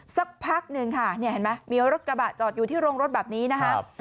สักพักหนึ่งค่ะเห็นไหมมีรถกระบะจอดอยู่ที่โรงรถแบบนี้นะครับ